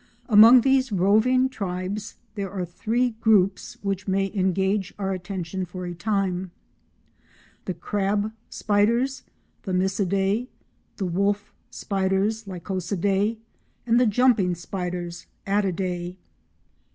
Among these roving tribes, there are three groups which may engage our attention for a time—the Crab spiders (Thomisidae), the Wolf spiders (Lycosidae) and the Jumping spiders (Attidae).